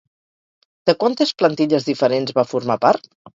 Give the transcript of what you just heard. De quantes plantilles diferents va formar part?